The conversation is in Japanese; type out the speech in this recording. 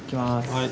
はい。